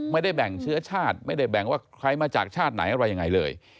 ไม่ได้แบ่งเชื้อชาติไม่ได้แบ่งว่าใครมาจากชาติไหนอะไรยังไงเลย